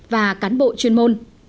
và cán bộ chuyên môn